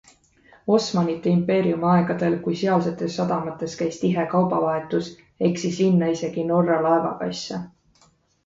Osmanite impeeriumi aegadel, kui sealsetes sadamates käis tihe kaubavahetus, eksis linna isegi Norra laevakasse.